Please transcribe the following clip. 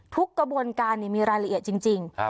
กระบวนการมีรายละเอียดจริง